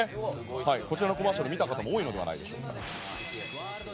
こちらのコマーシャルを見た方も多いのではないでしょうか。